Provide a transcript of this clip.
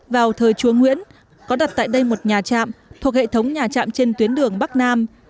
vào thời chúa nguyễn có đặt tại đây một nhà trạm thuộc hệ thống nhà trạm trên tuyến đường bắc nam